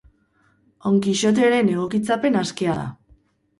On Kixoteren egokitzapen askea da.